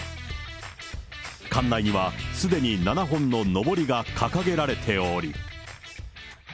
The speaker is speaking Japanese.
館内にはすでに７本ののぼりが掲げられており。